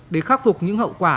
để khắc phục những hậu quả